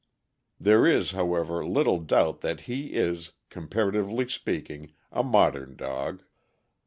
There is, however, little doubt that he is, comparatively speaking, a modern dog.